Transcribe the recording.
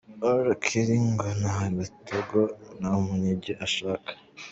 R Kelly ngo nta gatogo nta munyigi ashaka!.